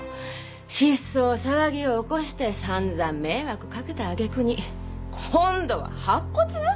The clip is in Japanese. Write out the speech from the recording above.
失踪騒ぎを起こして散々迷惑掛けた揚げ句に今度は白骨？